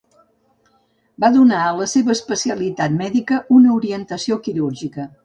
Va donar a la seva especialitat mèdica una orientació quirúrgica.